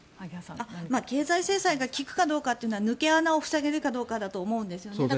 経済制裁が効くかどうかというのは抜け穴を塞げるかどうかだと思うんですね。